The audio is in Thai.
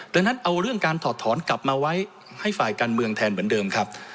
ดังนั้นเอาเรื่องการถอดถอนกลับมาไว้ให้ฝ่ายการเมืองแทนเหมือนเดิมครับ